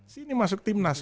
sini masuk timnas